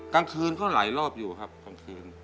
กลางคืนก็หลายรอบอยู่ครับกลางคืน